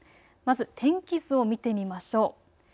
まず天気図を見てみましょう。